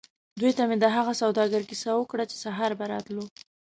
دوی ته مې د هغه سوداګر کیسه وکړه چې سهار به راتلو.